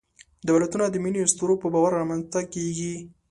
دولتونه د ملي اسطورو په باور رامنځ ته کېږي.